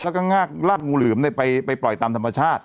แล้วก็งากลากงูเหลือมไปปล่อยตามธรรมชาติ